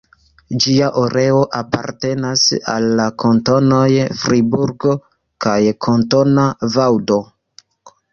Ĝia areo apartenas al la kantonoj Friburgo kaj Kantona Vaŭdo.